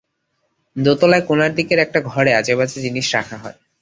দোতলায় কোণার দিকের একটা ঘরে আজেবাজে জিনিস রাখা হয়।